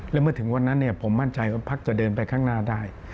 และเมื่อถึงวันนั้นผมมั่นใจว่าพักจะเดินไปข้างหน้าได้